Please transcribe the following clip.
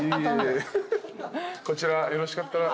こちらよろしかったら。